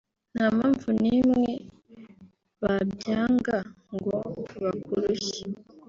nta mpamvu n’imwe babyanga ngo bakurushye